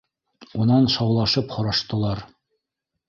Унан шаулашып һораштылар.